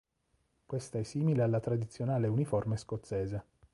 Questa è simile alla tradizionale uniforme scozzese.